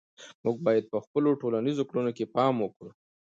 موږ باید په خپلو ټولنیزو کړنو کې پام وکړو.